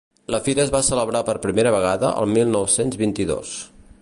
La fira es va celebrar per primera vegada el mil nou-cents vint-i-dos.